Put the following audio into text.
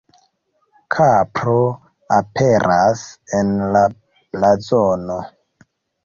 Kapro aperas en la blazono.